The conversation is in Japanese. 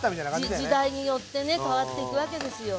時代によってね変わっていくわけですよ。